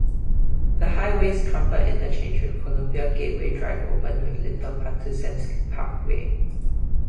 The highway's trumpet interchange with Columbia Gateway Drive opened with Little Patuxent Parkway.